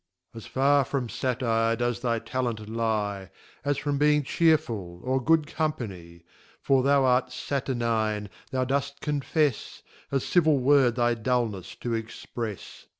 As As far from Satyr, does thy Talent lye, As from being cheerful, or good company. For thou art * Saturnine, thou doft confefs ; A civil word thy Dulnefs to cxprefs.